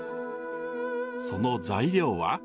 その材料は。